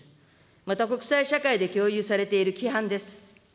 また国際社会で共有されている規範です。